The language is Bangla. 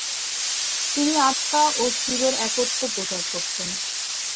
তিনি আত্মা ও শিবের একত্ব প্রচার করতেন।